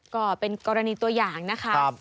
ก็เป็นกรณีตัวอย่างนะคะ